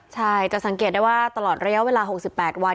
ใช่จะสังเกตได้ว่าตลอดระยะเวลา๖๘วัน